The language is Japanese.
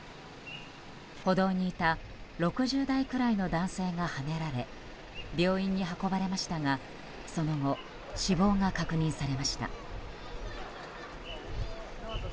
歩道にいた６０代くらいの男性がはねられ病院に運ばれましたがその後、死亡が確認されました。